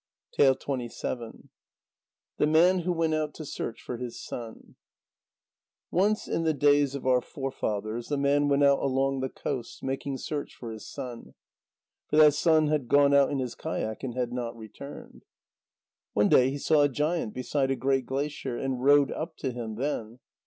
THE MAN WHO WENT OUT TO SEARCH FOR HIS SON Once in the days of our forefathers, a man went out along the coasts, making search for his son. For that son had gone out in his kayak and had not returned. One day he saw a giant beside a great glacier, and rowed up to him then.